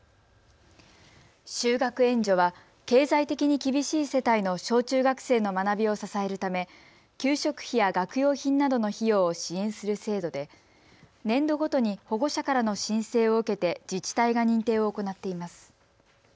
就学援助は経済的に厳しい世帯の小中学生の学びを支えるため給食費や学用品などの費用を支援する制度で年度ごとに保護者からの申請を受けて自治体が認定を行っています。